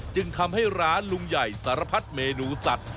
จึงทำให้ร้านลุงใหญ่สารพัดเมนูสัตว์